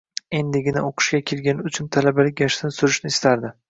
Endigina o`qishga kirgani uchun talabalik gashtini surishni istardi